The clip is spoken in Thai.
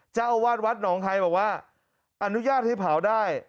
เจ้าอาวาสวัดหนองไฮบอกว่าอนุญาตให้เผาได้